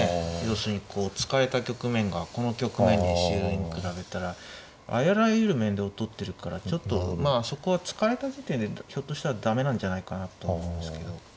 要するにこう突かれた局面がこの局面に比べたらあらゆる面で劣ってるからちょっとまあそこは突かれた時点でひょっとしたら駄目なんじゃないかなと思うんですけど。